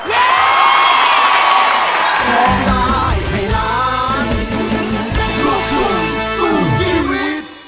โปรดติดตามตอนต่อไป